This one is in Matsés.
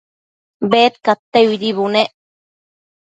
Bedcadteuidi bunec